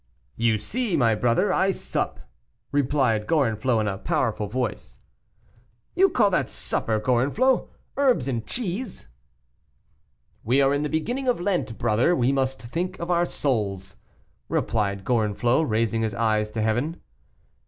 "You see, my brother, I sup," replied Gorenflot in a powerful voice. "You call that supper, Gorenflot! Herbs and cheese?" "We are in the beginning of Lent, brother; we must think of our souls," replied Gorenflot, raising his eyes to heaven.